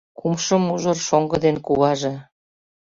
Кумшо мужыр — шоҥго ден куваже.